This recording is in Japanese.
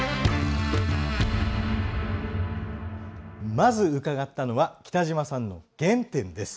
まず伺ったのは、北島さんの原点です。